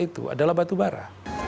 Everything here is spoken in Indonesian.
itu adalah batubara